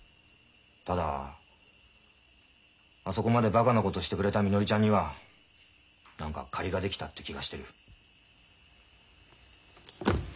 ただあそこまでバカなことしてくれたみのりちゃんには何か借りが出来たって気がしてる。